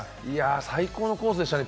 最高のコースでしたね。